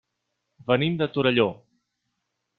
Venim de Torelló.